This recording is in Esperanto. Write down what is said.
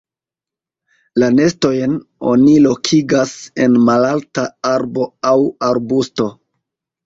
La nestojn oni lokigas en malalta arbo aŭ arbusto.